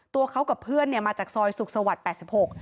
ตัวเขากับเพื่อนมาจากซอยสุขสวรรค์๘๖